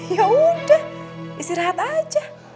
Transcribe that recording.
yaudah istirahat aja